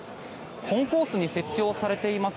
コンコースに設置されております